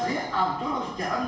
lebih cocok itu nggak